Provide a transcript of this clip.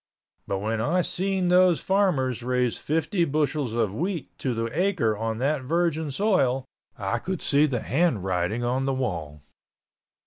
But when I seen those farmers raise fifty bushels of wheat to the acre on that virgin soil I could see the handwriting on the wall.